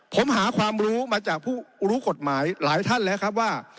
ผมหาความรู้มาจากผู้รู้กฎหมายหลายท่านแล้วครับว่า